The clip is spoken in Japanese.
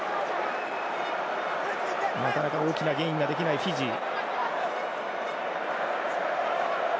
なかなか大きなゲインができないフィジー。